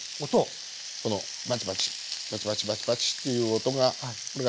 このパチパチパチパチパチパチっていう音がこれが